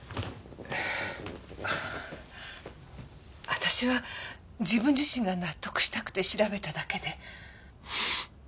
私は自分自身が納得したくて調べただけで。